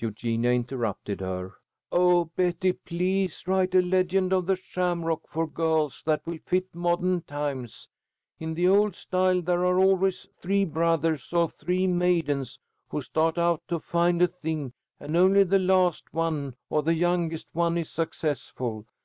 Eugenia interrupted her: "Oh, Betty, please write a legend of the shamrock for girls that will fit modern times. In the old style there are always three brothers or three maidens who start out to find a thing, and only the last one or the youngest one is successful.